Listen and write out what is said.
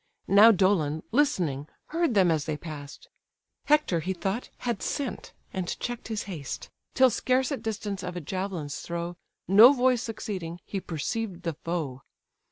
Now Dolon, listening, heard them as they pass'd; Hector (he thought) had sent, and check'd his haste, Till scarce at distance of a javelin's throw, No voice succeeding, he perceived the foe.